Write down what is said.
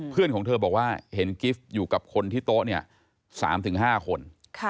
ของเธอบอกว่าเห็นกิฟต์อยู่กับคนที่โต๊ะเนี่ย๓๕คน